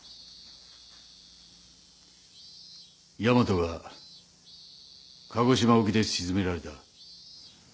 大和が鹿児島沖で沈められた。